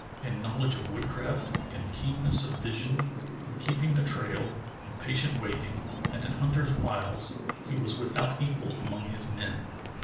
In knowl edge of woodcraft, in keenness of vision, in keeping the trail, in patient waiting, and in hunter's wiles he was without equal among his men.